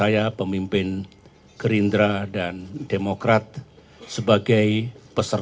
yang akan keluar